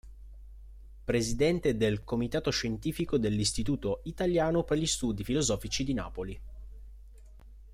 Presidente del Comitato scientifico dell'Istituto italiano per gli studi filosofici di Napoli.